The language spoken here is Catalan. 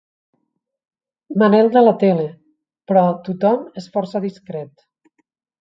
Manel de la tele, però tothom és força discret.